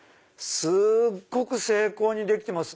すっごく精巧にできてます。